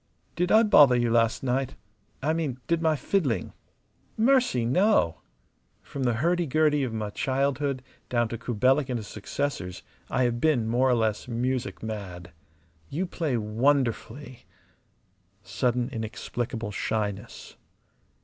"Did I bother you last night? I mean, did my fiddling?" "Mercy, no! From the hurdy gurdy of my childhood, down to Kubelik and his successors, I have been more or less music mad. You play wonderfully!" Sudden, inexplicable shyness.